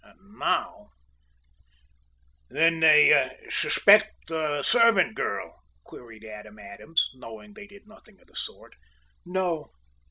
And now "Then they suspect the servant girl?" queried Adam Adams, knowing they did nothing of the sort. "No!"